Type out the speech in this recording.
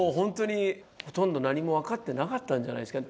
ほとんど何も分かってなかったんじゃないですかね。